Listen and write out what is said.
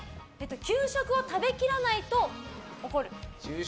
給食を食べきらないと怒る。